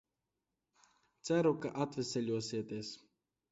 Ceru, ka atveseļosieties.